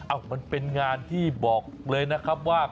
มันเป็นงานที่บอกเลยนะครับว่า